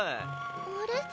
あれ？